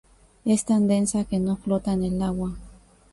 Es tan densa que no flota en el agua.